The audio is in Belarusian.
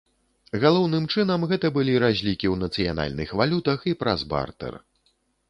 Галоўным чынам гэта былі разлікі ў нацыянальных валютах і праз бартэр.